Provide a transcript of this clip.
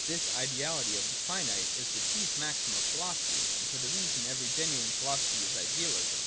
This ideality of the finite is the chief maxim of philosophy ; and for that reason every genuine philo sophy is idealism.